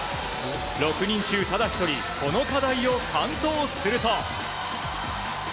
６人中、ただ一人この課題を完登すると。